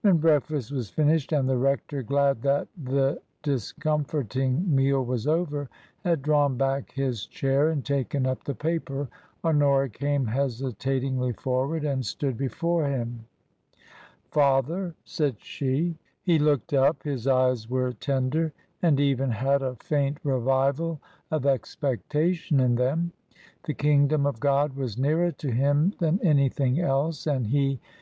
When breakfast was finished and the rector, glad that the discomforting meal was over, had drawn back his chair and taken up the paper, Honora came hesitatingly forward and stood before him. " Father," said she. He looked up ; his eyes were tender, and even had a faint revival of expectation in them. The kingdom of God was nearer to him than anything else, and he be 4 38 TRANSITION.